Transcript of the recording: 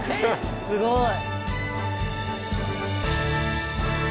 すごい。